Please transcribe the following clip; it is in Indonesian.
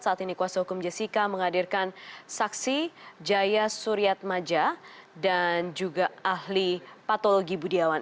saat ini kuasa hukum jessica menghadirkan saksi jaya suryat maja dan juga ahli patologi budiawan